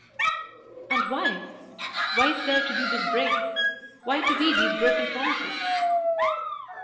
"And why? Why is there to be this break; why to be these broken promises?"